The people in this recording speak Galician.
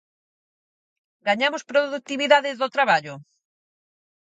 ¿Gañamos produtividade do traballo?